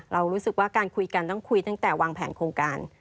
เรารู้สึกว่าการคุยกันต้องคุยตั้งแต่วางแผนโครงการ